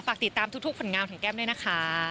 ฝากติดตามทุกผลงานของแก้มด้วยนะคะ